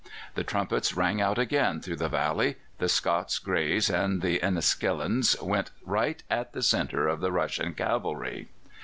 The trumpets rang out again through the valley: the Scots Greys and the Enniskillens went right at the centre of the Russian cavalry.